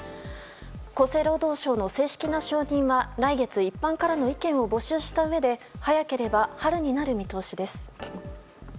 厚生労働省の正式な承認は来月一般からの意見を募集したうえで早ければ春になる見通しです。